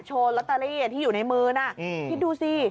ลอตเตอรี่ที่อยู่ในมือน่ะคิดดูสิ